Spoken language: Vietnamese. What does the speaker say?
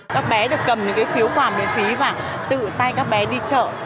các bé được cầm những cái phiếu quà miễn phí và tự tay các bé đi chợ